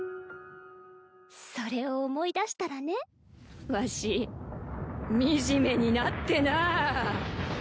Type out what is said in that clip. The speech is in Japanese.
それを思い出したらねわし惨めになってなぁ。